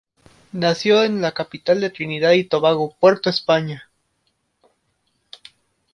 Nació en la capital de Trinidad y Tobago, Puerto España.